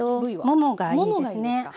ももがいいですか。